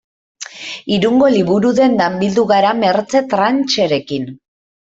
Irungo liburu-dendan bildu gara Mertxe Trancherekin.